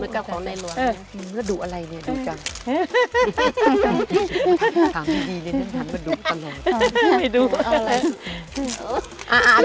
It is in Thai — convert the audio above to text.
ถามไม่ดีเลยเนี่ยถามว่าดุ้งปะหน่อย